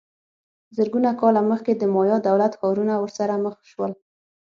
زرګونه کاله مخکې د مایا دولت ښارونه ورسره مخ سول